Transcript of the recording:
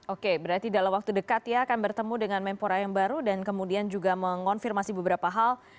oke berarti dalam waktu dekat ya akan bertemu dengan mempora yang baru dan kemudian juga mengonfirmasi beberapa hal